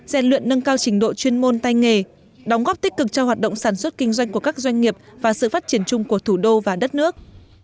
gian luyện nâng cao trình độ chuyên môn tay nghề đóng góp tích cực cho hoạt động sản xuất kinh doanh của các doanh nghiệp và sự phát triển chung của thủ đô và đất nước